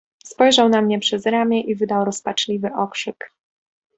"Spojrzał na mnie przez ramię i wydał rozpaczliwy okrzyk."